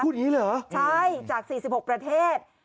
พูดอย่างนี้เหรอคะโอ้โฮใช่จาก๔๖ประเทศ